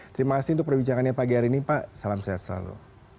terima kasih untuk perbincangannya pagi hari ini pak salam sehat selalu